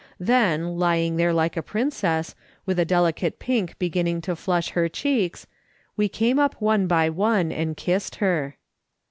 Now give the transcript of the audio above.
Then, lying there like a princess, with a delicate pink beginning to flush her cheeks, we came up one by one and kissed her.